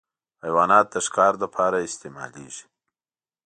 حیوانات د ښکار لپاره استعمالېږي.